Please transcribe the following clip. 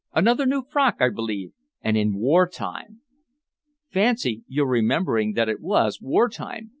Another new frock, I believe, and in war time!" "Fancy your remembering that it was war time!"